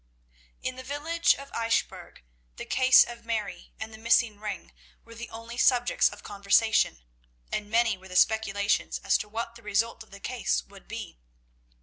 In the village of Eichbourg the case of Mary and the missing ring were the only subjects of conversation, and many were the speculations as to what the result of the case would be.